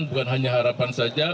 bukan hanya harapan saja